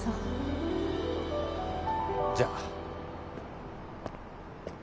じゃあ。